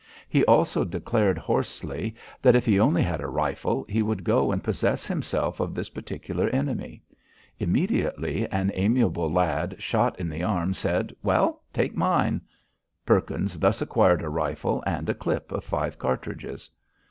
He also declared hoarsely, that if he only had a rifle, he would go and possess himself of this particular enemy. Immediately an amiable lad shot in the arm said: "Well, take mine." Perkins thus acquired a rifle and a clip of five cartridges.